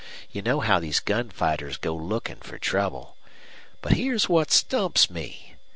You know how these gunfighters go lookin' for trouble. But here's what stumps me.